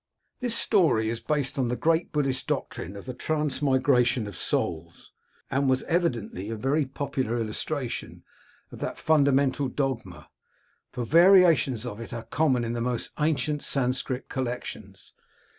This story is based on the great Buddhist doctrine of the transmigration of souls, and was evidently a very popular illustration of that funda mental dogma, for variations of it are common in most ancient Sanscrit collections.